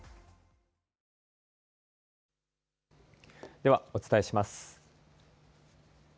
では、お伝えします。